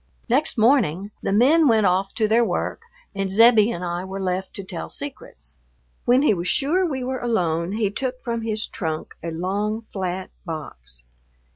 Next morning ... the men went off to their work and Zebbie and I were left to tell secrets. When he was sure we were alone he took from his trunk a long, flat box.